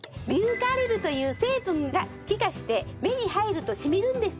硫化アリルという成分が気化して目に入ると染みるんです。